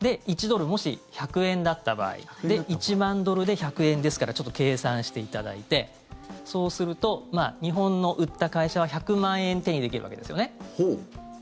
もし１ドル＝１００円だった場合１万ドルで１００円ですから計算していただいてそうすると日本の売った会社は１００万円手にできるわけですよね。